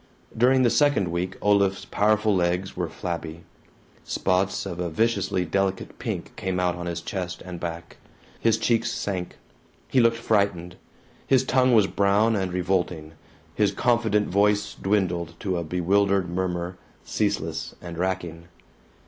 During the second week Olaf's powerful legs were flabby. Spots of a viciously delicate pink came out on his chest and back. His cheeks sank. He looked frightened. His tongue was brown and revolting. His confident voice dwindled to a bewildered murmur, ceaseless and racking.